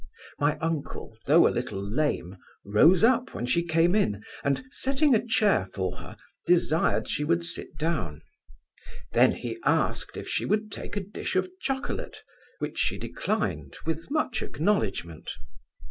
My uncle, though a little lame, rose up when she came in, and setting a chair for her, desired she would sit down: then he asked if she would take a dish of chocolate, which she declined, with much acknowledgment.